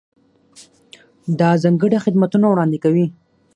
دا ځانګړي خدمتونه وړاندې کوي.